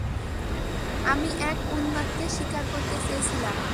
আমি এক উন্মাদকে শিকার করতে চেয়েছিলাম।